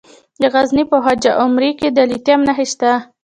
د غزني په خواجه عمري کې د لیتیم نښې شته.